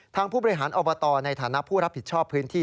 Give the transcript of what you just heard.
ผู้บริหารอบตในฐานะผู้รับผิดชอบพื้นที่